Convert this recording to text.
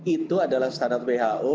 itu adalah standar who